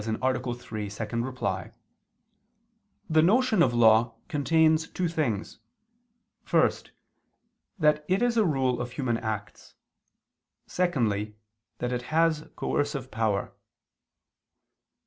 3, ad 2), the notion of law contains two things: first, that it is a rule of human acts; secondly, that it has coercive power.